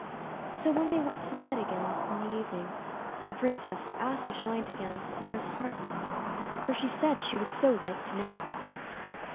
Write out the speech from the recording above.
So when they went to bed again in the evening, the Princess asked the Giant again where his heart was, for she said she would so like to know.